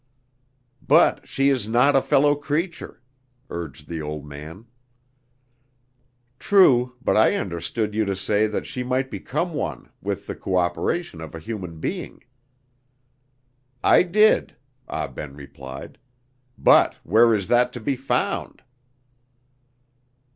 "But she is not a fellow creature," urged the old man. "True, but I understood you to say that she might become one with the cooperation of a human being." "I did," Ah Ben replied; "but where is that to be found?"